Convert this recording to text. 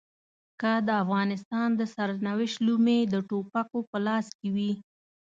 که د افغانستان د سرنوشت لومې د ټوپکو په لاس کې وي.